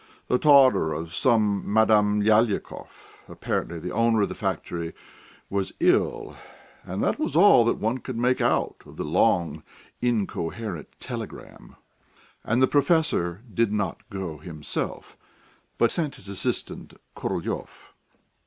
The daughter of some Madame Lyalikov, apparently the owner of the factory, was ill, and that was all that one could make out of the long, incoherent telegram. And the Professor did not go himself, but sent instead his assistant, Korolyov.